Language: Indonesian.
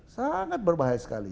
sangat berbahaya sekali